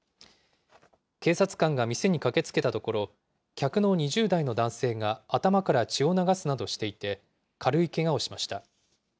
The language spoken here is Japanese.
警察官が店に駆けつけたところ、客の２０代の男性が頭から血を流すなどしていて、軽いけがをしました。